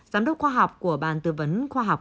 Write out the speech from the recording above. giám đốc khoa học của bàn tư vấn khoa học